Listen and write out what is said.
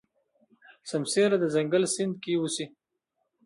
سمسيره د ځنګل سیند کې اوسي.